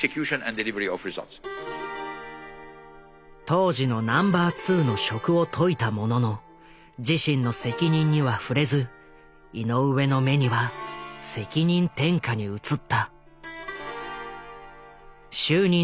当時のナンバー２の職を解いたものの自身の責任には触れず井上の目には責任転嫁に映った。